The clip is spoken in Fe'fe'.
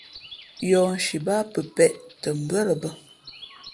Yǒhnshi báá pəpēʼ tα mbʉά lα bᾱ.